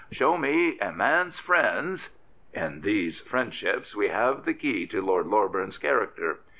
" Show me a man*s friends In these friend ships we have the key to Lord Loreburn's character.